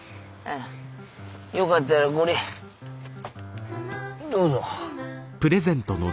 よかったらこれどうぞ。